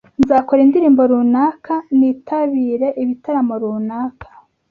nzakora indirimbo runaka nitabire ibitaramo runaka